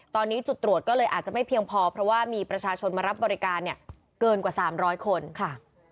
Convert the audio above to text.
ตอนนี้จุดตรวจก็เลยอาจจะไม่เพียงพอเพราะว่ามีประชาชนมารับบริการเนี่ยเกินกว่า๓๐๐คนค่ะ